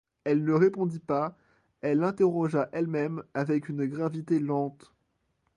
Elle ne répondit pas, elle l'interrogea elle-même, avec une gravité lente.